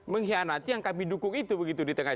mengkhianati yang kami dukung itu begitu